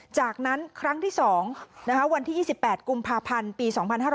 จากนั้นครั้งที่๒วันที่๒๘กุมภาพันธ์ปี๒๕๕๙